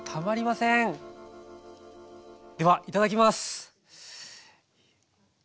ではいただきます！